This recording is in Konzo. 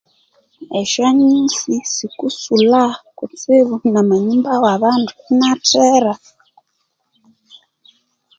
Esyanyusi sikasulha kutsibu namanyumba wabandu inathera.